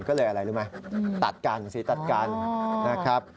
ก็เลยอะไรรู้ไหมตัดกันสีตัดกันนะครับ